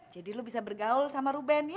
jadi lu bisa bergaul sama ruben ya